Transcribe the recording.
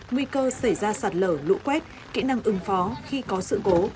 nguy cơ xảy ra sạt lở lũ quét kỹ năng ứng phó khi có sự cố